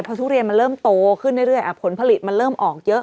พอทุเรียนมันเริ่มโตขึ้นเรื่อยผลผลิตมันเริ่มออกเยอะ